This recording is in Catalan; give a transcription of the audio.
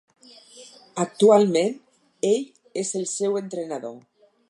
Actualment, ell és el seu entrenador.